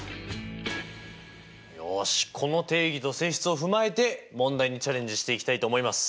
よしこの定義と性質を踏まえて問題にチャレンジしていきたいと思います！